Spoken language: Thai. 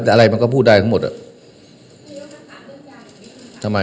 แต่อะไรมันก็พูดได้ทั้งหมดอ่ะทำไม